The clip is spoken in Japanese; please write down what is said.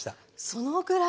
そのぐらい。